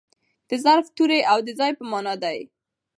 د ظرف توری او د ځای په مانا دئ.